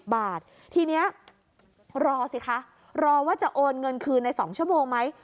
บาททีนี้รอสิคะรอว่าจะโอนเงินคืนใน๒ชั่วโมงไหม